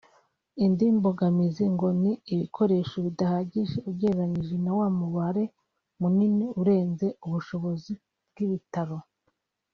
Indi mbogamizi ngo ni ibikoresho bidahagije ugereranyije na wa mubare munini urenze ubushobozi bw’ibitaro